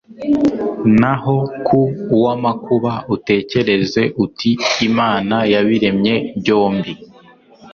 naho ku uw'amakuba utekereze uti imana yabiremye byombi